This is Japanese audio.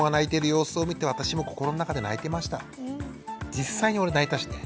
実際に俺泣いたしね。